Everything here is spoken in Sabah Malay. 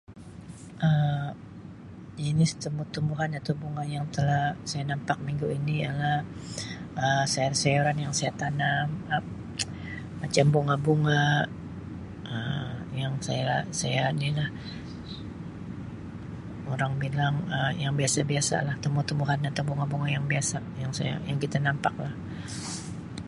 Um Jinis tumbuh-tumbuhan atau bunga yang telah saya nampak minggu ini ialah Um sayur-sayuran yang saya tanam, Um macam bunga-bunga Um yang saya-saya nilah orang bilang Um yang biasa-biasalah tumbuh-tumbuhan atau bunga-bunga yang biasa yang saya, yang kita nampak.